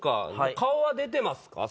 顔は出てますか？